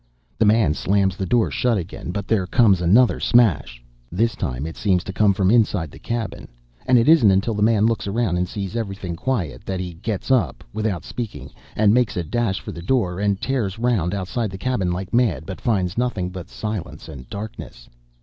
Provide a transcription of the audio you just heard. The man slams the door shut again, but there comes another smash. "This time it seems to come from inside the cabin, and it isn't until the man looks around and sees everything quiet that he gets up, without speaking, and makes a dash for the door, and tears round outside the cabin like mad, but finds nothing but silence and darkness.